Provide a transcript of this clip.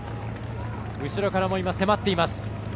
後ろからも迫っています。